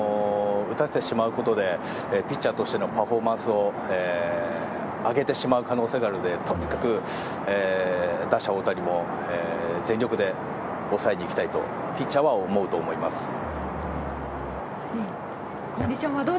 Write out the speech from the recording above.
打たせてしまうことでピッチャーとしてのパフォーマンスを上げてしまう可能性があるのでとにかく打者・大谷も全力で抑えに行きたいとピッチャーは思うと思います。